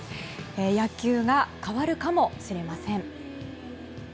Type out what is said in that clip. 野球が変わるかもしれません。